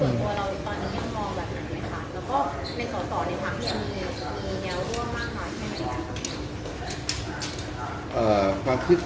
และก็ในสต่อในภาคเรียนมีแยวร่วมมากมายแค่ไหนครับ